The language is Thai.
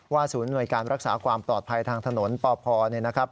ศูนย์หน่วยการรักษาความปลอดภัยทางถนนปพเนี่ยนะครับ